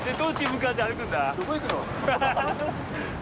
どこ行くの？